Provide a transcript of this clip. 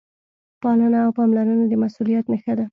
پالنه او پاملرنه د مسؤلیت نښه ده.